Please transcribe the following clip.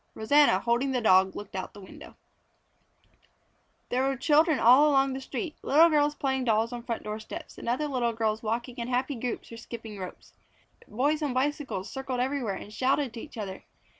Rosanna, holding the dog, looked out the windows. There were children all along the street: little girls playing dolls on front doorsteps and other little girls walking in happy groups or skipping rope. Boys on bicycles circled everywhere and shouted to each other.